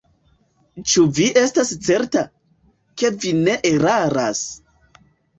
Ĉu vi estas certa, ke vi ne eraras?